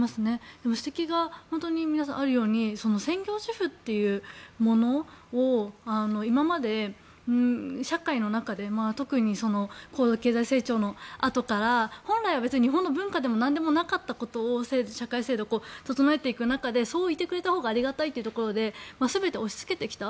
でも、指摘が本当に皆さんからあるように専業主婦というものを今まで社会の中で特に高度経済成長のあとから本来は別に日本の文化でもなんでもなかったことを社会制度を整えていく中でそういてくれたほうがありがたいということで全て押しつけてきた。